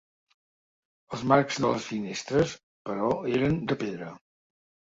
Els marcs de les finestres, però eren de pedra.